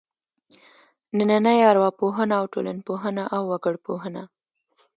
نننۍ ارواپوهنه او ټولنپوهنه او وګړپوهنه.